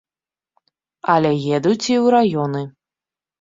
Але едуць і ў раёны.